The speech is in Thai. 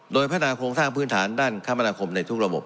โดยพัฒนาโครงสร้างพื้นฐานด้านคมนาคมในทุกระบบ